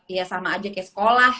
ya sama aja kayak sekolah